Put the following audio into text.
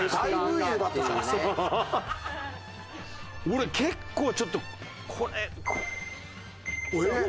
俺結構ちょっとこれこれとか。